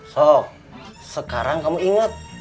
sok sekarang kamu ingat